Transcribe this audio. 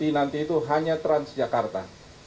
jadi nanti itu hanya transjakarta